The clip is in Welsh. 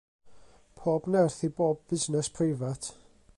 Pob nerth i bob busnes preifat.